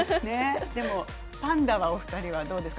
パンダはお二人はどうですか？